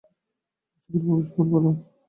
রসিকের প্রবেশ পুরবালা।